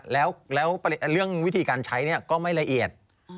แล้วเรื่องวิธีการใช้ก็ไม่ละเอียด